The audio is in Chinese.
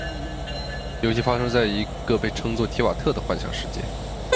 游戏发生在一个被称作「提瓦特」的幻想世界。